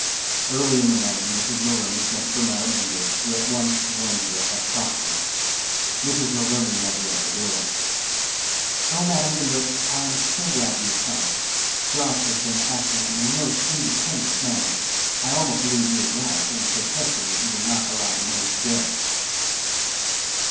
Early in the morning Mrs. Maroney sent for Madam Imbert, who at once joined her at Cox's. Mrs. Maroney met her at the door. "O, Madam Imbert, I am so glad you have come! Josh. has been acting in a most independent manner. I almost believe he is right, in protesting that he will not allow the money to go."